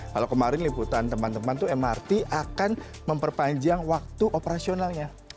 kalau kemarin liputan teman teman tuh mrt akan memperpanjang waktu operasionalnya